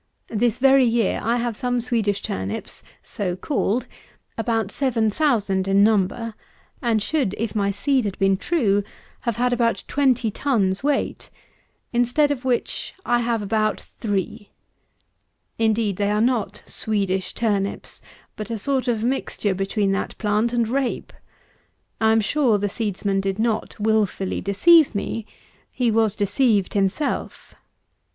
This very year I have some Swedish turnips, so called, about 7000 in number, and should, if my seed had been true, have had about twenty tons weight; instead of which I have about three! Indeed, they are not Swedish turnips, but a sort of mixture between that plant and rape. I am sure the seedsman did not wilfully deceive me. He was deceived himself.